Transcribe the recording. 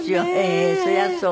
そりゃそう。